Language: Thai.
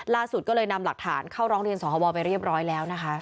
ล่าสุดก็เลยนำหลักฐานเข้าร้องเรียนสหวไปเรียบร้อยแล้วนะคะ